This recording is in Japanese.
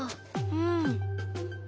うん。